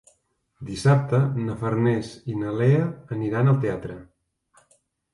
Dissabte na Farners i na Lea aniran al teatre.